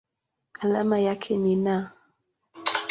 Alama yake ni Na.